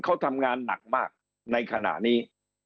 เขาทำงานหนักมากในขณะนี้